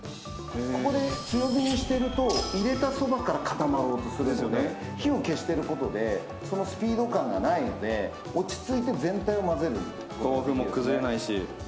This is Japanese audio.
ここで強火にしてると入れたそばから固まろうとするので火を消してることでそのスピード感がないので落ち着いて豆腐も崩れないし。